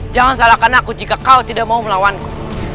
jangan salahkan aku jika kau tidak mau melawanku